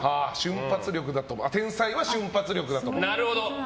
天才は瞬発力だと思うと。